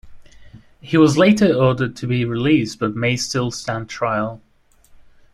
He was later ordered to be released but may still stand trial.